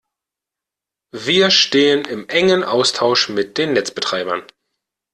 Wir stehen in engem Austausch mit den Netzbetreibern.